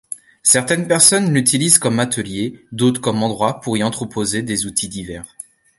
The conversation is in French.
Certaines personnes l'utilisent comme atelier, d'autres comme endroit pour y entreposer des outils divers.